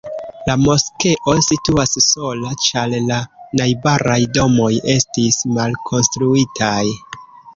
La moskeo situas sola, ĉar la najbaraj domoj estis malkonstruitaj.